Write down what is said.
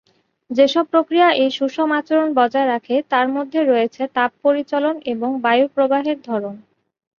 যেসব প্রক্রিয়া এই সুষম আচরণ বজায় রাখে তার মধ্যে রয়েছে তাপ পরিচলন এবং বায়ু প্রবাহের ধরন।